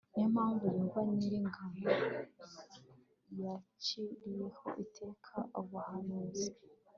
ni yo mpamvu yehova nyir ingabo yaciriyeho iteka abo bahanuzi